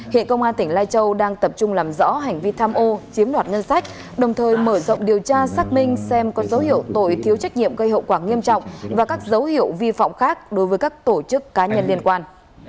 hiện công an tỉnh lai châu đang tập trung làm rõ hành vi tham ô chiếm đoạt ngân sách đồng thời mở rộng điều tra xác minh xem có dấu hiệu tội thiếu trách nhiệm gây hậu quả nghiêm trọng và các dấu hiệu vi phạm khác đối với các tổ chức cá nhân liên quan